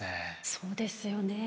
そうですよね。